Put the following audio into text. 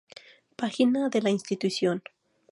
Página de la institución